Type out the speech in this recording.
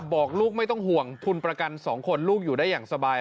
บอกลูกไม่ต้องห่วงทุนประกัน๒คนลูกอยู่ได้อย่างสบาย